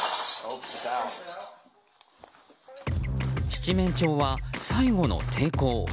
七面鳥は最後の抵抗。